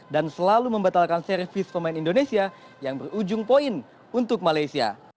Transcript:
dan selalu membatalkan servis pemain indonesia yang berujung poin untuk malaysia